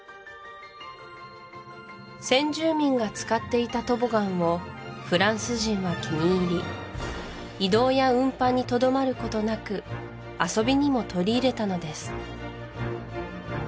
先住民が使っていたトボガンをフランス人は気に入り移動や運搬にとどまることなく遊びにも取り入れたのです